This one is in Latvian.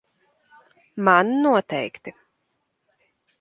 Man noteikti.